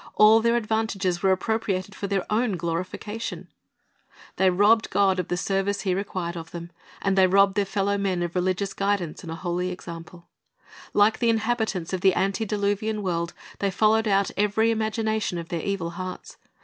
All their advantages were appropriated for their own glorification. They robbed God 1 Isa. 5 : 3 7 ■'' Deut. 8 : 1 1 14, 17, 19, 20 292 Christ's Object Lessons of the service He required of them, and they robbed their fellow men of religious guidance and a holy example. Like the inhabitants of the antediluvian world, they followed out eveiy imagination of their evil hearts.